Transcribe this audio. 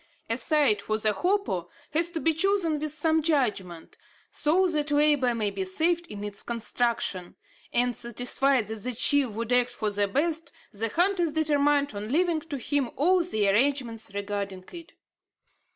A site for the hopo has to be chosen with some judgment, so that labour may be saved in its construction; and, satisfied that the chief would act for the best, the hunters determined on leaving to him all the arrangements regarding it.